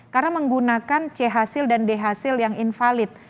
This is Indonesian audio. karena menggunakan c hasil dan d hasil yang invalid